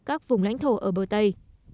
các vùng lãnh thổ ở bờ tây